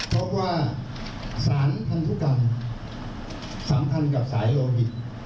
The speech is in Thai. เพราะว่าสารพันธุกรรมสำคัญกับสายโยมิน